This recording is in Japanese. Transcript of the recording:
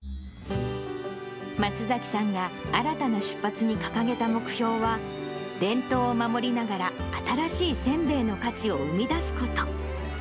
松崎さんが新たな出発に掲げた目標は、伝統を守りながら、新しいせんべいの価値を生み出すこと。